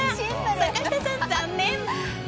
坂下さん、残念！